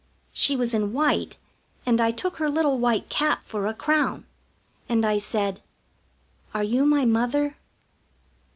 She was in white, and I took her little white cap for a crown, and I said: "Are you my Mother?"